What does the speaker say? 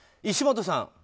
石本さん。